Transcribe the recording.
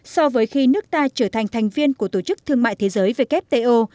so với khi nước ta trở thành thành viên của tổ chức thương mại thế giới wto